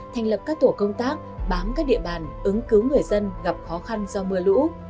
thành lập các tổ công tác bám các địa bàn ứng cứu người dân gặp khó khăn do mưa lũ